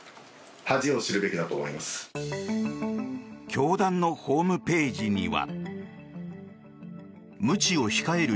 教団のホームページには。